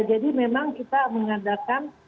jadi memang kita mengadakan